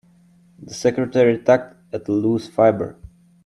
The secretary tugged at a loose fibre.